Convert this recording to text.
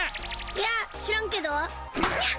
いや知らんけどニャッ！